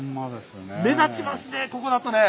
目立ちますね